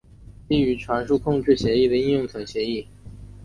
基于传输控制协议的应用层协议。